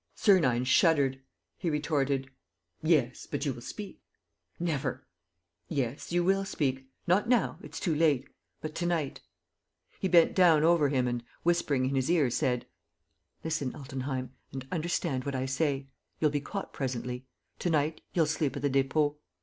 Sernine shuddered. He retorted: "Yes, but you will speak." "Never!" "Yes, you will speak. Not now; it's too late. But to night." He bent down over him and, whispering in his ear, said, "Listen, Altenheim, and understand what I say. You'll be caught presently. To night, you'll sleep at the Dépôt.